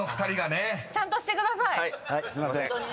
すいません。